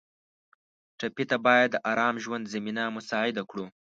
ټپي ته باید د ارام ژوند زمینه مساعده کړو.